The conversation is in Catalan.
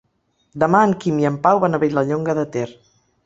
Demà en Quim i en Pau van a Vilallonga de Ter.